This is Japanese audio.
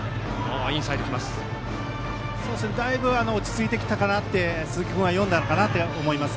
だいぶ落ち着いてきたと鈴木君は読んだと思います。